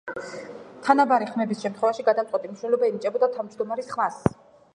თანაბარი ხმების შემთხვევაში გადამწყვეტი მნიშვნელობა ენიჭებოდა თავმჯდომარის ხმას.